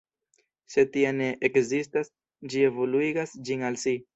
Se tia ne ekzistas, ĝi evoluigas ĝin al si.